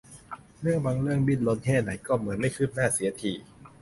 เรื่องบางเรื่องดิ้นรนแค่ไหนก็เหมือนไม่คืบหน้าเสียที